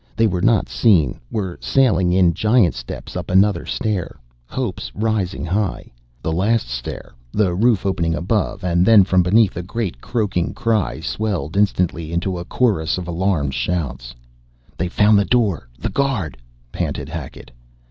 They were not seen, were sailing in giant steps up another stair, hopes rising high. The last stair the roof opening above; and then from beneath a great croaking cry swelled instantly into chorus of a alarmed shouts. "They've found the door the guard!" panted Hackett.